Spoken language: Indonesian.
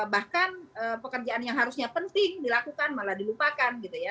bahkan pekerjaan yang harusnya penting dilakukan malah dilupakan gitu ya